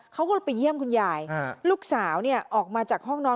เขาก็เลยไปเยี่ยมคุณยายลูกสาวออกมาจากห้องนอน